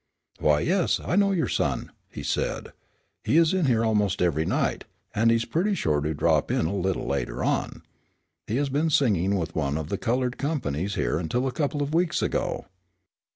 "Why, yes, I know your son," he said. "He's in here almost every night, and he's pretty sure to drop in a little later on. He has been singing with one of the colored companies here until a couple of weeks ago."